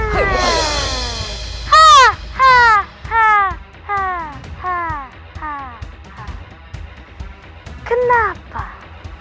kenapa kau takut